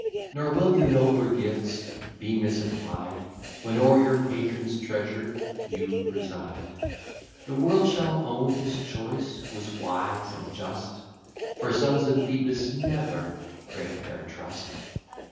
Nor will your nobler gifts be misapplied, When o'er your patron's treasure you preside: The world shall own, his choice was wise and just, For sons of Phoebus never break their trust.